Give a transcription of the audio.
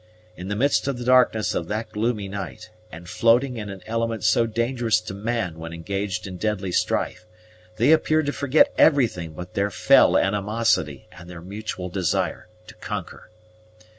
In the midst of the darkness of that gloomy night, and floating in an element so dangerous to man when engaged in deadly strife, they appeared to forget everything but their fell animosity and their mutual desire to conquer.